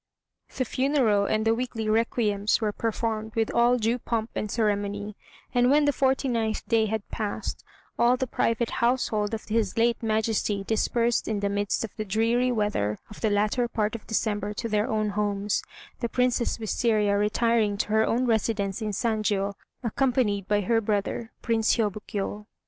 The funeral and the weekly requiems were performed with all due pomp and ceremony, and when the forty ninth day had passed, all the private household of his late Majesty dispersed in the midst of the dreary weather of the latter part of December to their own homes; the Princess Wistaria retiring to her own residence in Sanjiô, accompanied by her brother, Prince Hiôbkiô.